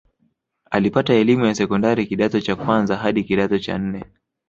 Alipata elimu ya sekondari kidato cha kwanza hadi kidato cha nne